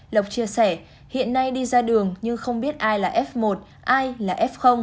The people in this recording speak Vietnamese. lộc chia sẻ hiện nay đi ra đường nhưng không biết ai là f một ai là f